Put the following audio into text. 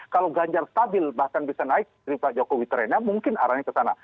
kalau ganjar stabil bahkan bisa naik rifa jokowi terenya mungkin arahnya ke sana